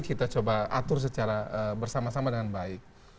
kita coba atur secara bersama sama dengan baik